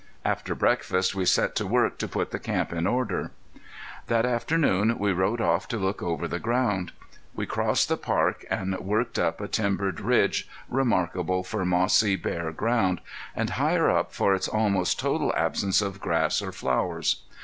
After breakfast we set to work to put the camp in order. That afternoon we rode off to look over the ground. We crossed the park and worked up a timbered ridge remarkable for mossy, bare ground, and higher up for its almost total absence of grass or flowers.